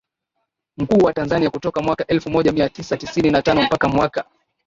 Mkuu wa Tanzania kutoka mwaka elfu moja mia tisa tisini na tano mpaka mwaka